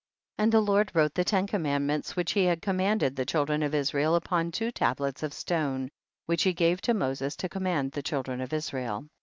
10. And the Lord wrote the ten commandments which he had com manded the children of Israel upon two tablets of stone, which he gave to Moses to command the children of Israel.